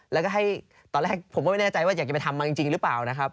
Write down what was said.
แล้วก็ให้ตอนแรกผมก็ไม่แน่ใจว่าอยากจะไปทำมาจริงหรือเปล่านะครับ